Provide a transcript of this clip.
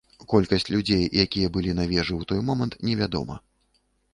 Колькасць людзей, якія былі на вежы ў той момант, невядома.